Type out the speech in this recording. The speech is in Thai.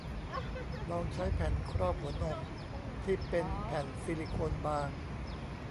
ลองใช้แผ่นครอบหัวนมที่เป็นแผ่นซิลิโคนบาง